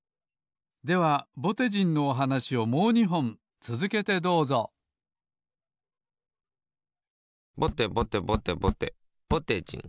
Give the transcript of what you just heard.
ではぼてじんのおはなしをもう２ほんつづけてどうぞぼてぼてぼてぼてぼてじん。